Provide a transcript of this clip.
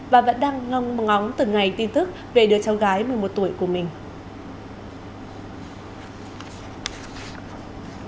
và vẫn đang mong ngóng từng ngày tin tức về đứa cháu gái một mươi một tuổi của mình